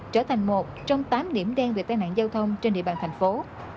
trở thành một trong tám điểm đen về tai nạn giao thông trên địa bàn thành phố